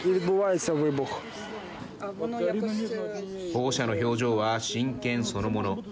保護者の表情は真剣そのもの。